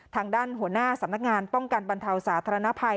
ทางด้านหัวหน้าสำนักงานป้องกันบรรเทาสาธารณภัย